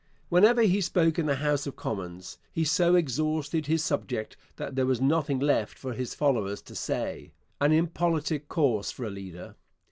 Whenever he spoke in the House of Commons, he so exhausted his subject that there was nothing left for his followers to say an impolitic course for a leader.